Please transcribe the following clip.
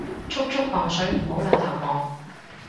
速速磅水唔好兩頭望